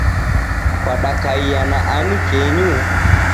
Kwadakaiya na ani kenyu